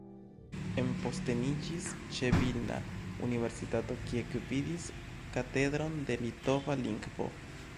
Enposteniĝis ĉe Vilna Universitato, kie gvidis Katedron de Litova Lingvo.